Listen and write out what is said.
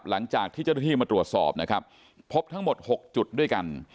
หลังจากที่เจ้าหน้าที่มาตรวจสอบนะครับพบทั้งหมด๖จุดด้วยกัน